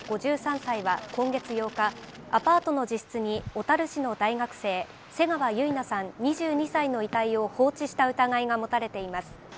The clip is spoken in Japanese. ５３歳は今月８日、アパートの自室に小樽市の大学生、瀬川結菜さん２２歳の遺体を放置した疑いが持たれています。